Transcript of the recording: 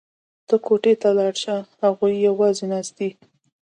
ته کوټې ته لاړه شه هغوی یوازې ناست دي